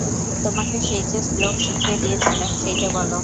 তোমাকে সেই যে শ্লোক শিখিয়ে দিয়েছিলাম সেইটে বলো।